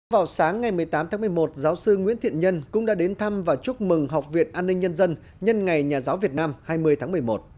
vào sáng ngày một mươi tám tháng một mươi một giáo sư nguyễn thiện nhân cũng đã đến thăm và chúc mừng học viện an ninh nhân dân nhân ngày nhà giáo việt nam hai mươi tháng một mươi một